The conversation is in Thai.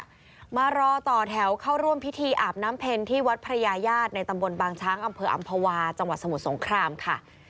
มารอต่อแถวเข้าร่วมพิธีอาบน้ำเพ็ญที่วัดพระยาญาติในตำบลบางช้างอำเภออำภาวาจังหวัดสมุทรสงครามค่ะ